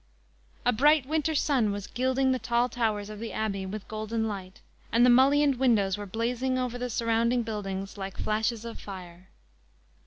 A bright winter sun was gilding the tall towers of the Abbey with golden light, and the mullioned windows were blazing over the surrounding buildings like flashes of fire.